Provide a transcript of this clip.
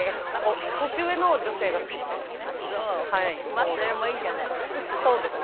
まあそれもいいじゃないですか。